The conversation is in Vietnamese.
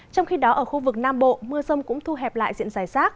trong khi đó ở khu vực nam bộ mưa rông cũng thu hẹp lại diện dài rác